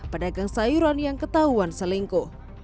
pedagang sayuran yang ketahuan selingkuh